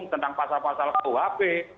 tentang pasal pasal ohp